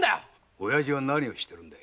おやじは何をしてるんだ？